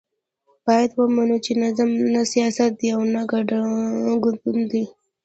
باید ومنو چې نظام نه سیاست دی او نه ګوند دی.